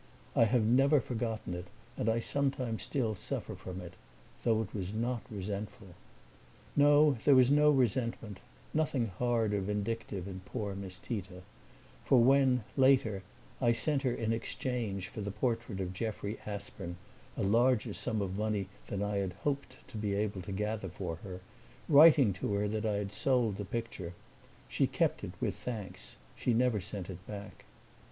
I have never forgotten it and I sometimes still suffer from it, though it was not resentful. No, there was no resentment, nothing hard or vindictive in poor Miss Tita; for when, later, I sent her in exchange for the portrait of Jeffrey Aspern a larger sum of money than I had hoped to be able to gather for her, writing to her that I had sold the picture, she kept it with thanks; she never sent it back.